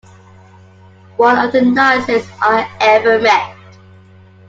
One of the nicest I ever met.